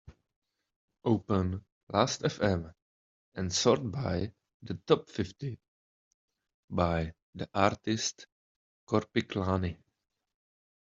Open Lastfm and sort by the top-fifty by the artist Korpiklaani.